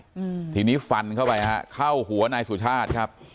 อืมทีนี้ฟันเข้าไปฮะเข้าหัวนายสุชาติครับ